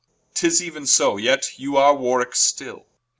'Tis euen so, yet you are Warwicke still Rich.